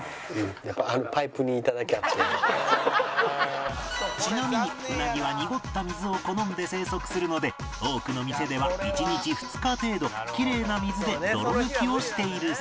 やっぱあのちなみにウナギは濁った水を好んで生息するので多くの店では１日２日程度きれいな水で泥抜きをしているそう